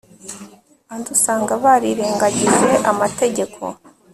Abandi usanga barirengagije amategeko